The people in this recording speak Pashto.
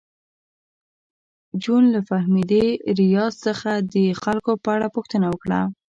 جون له فهمیدې ریاض څخه د خلکو په اړه پوښتنه وکړه